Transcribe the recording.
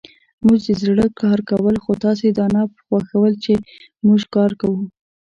موژدزړه کارکول خوتاسی دانه خوښول چی موژکاروکوو